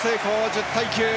１０対９。